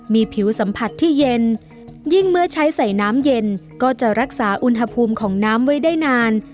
มีผิวสัมผัสที่เย็นยิ่งเมื่อใช้ใส่น้ำเย็นก็จะรักษาอุณหภูมิของน้ำไว้ได้นาน